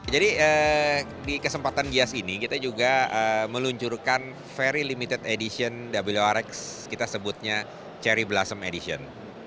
jadi di kesempatan gias ini kita juga meluncurkan very limited edition wrx kita sebutnya cherry blossom edition